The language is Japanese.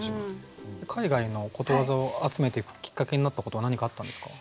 海外のことわざを集めていくきっかけになったことは何かあったんですか？